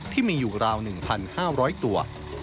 ที่มีอยู่ราว๑๕๐๐ตัว